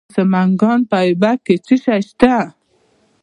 د سمنګان په ایبک کې څه شی شته؟